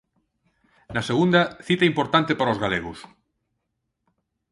Na Segunda, cita importantes para os galegos.